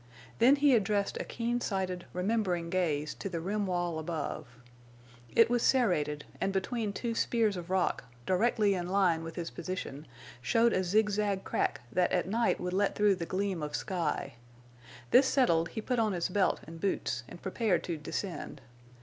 Then he addressed a keen sighted, remembering gaze to the rim wall above. It was serrated, and between two spears of rock, directly in line with his position, showed a zigzag crack that at night would let through the gleam of sky. This settled, he put on his belt and boots and prepared to descend.